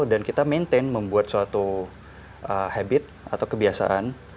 dan kita maintain membuat suatu habit atau kebiasaan